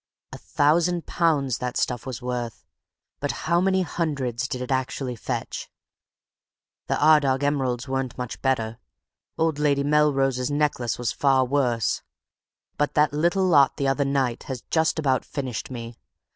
A thousand pounds that stuff was worth; but how many hundreds did it actually fetch. The Ardagh emeralds weren't much better; old Lady Melrose's necklace was far worse; but that little lot the other night has about finished me.